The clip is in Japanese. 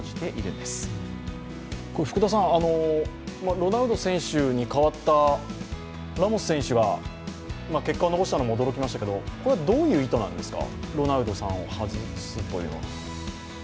ロナウド選手に代わったラモス選手が結果を残したのも驚きましたけれども、どういう意図なんですか、ロナウドさんを外すというのは。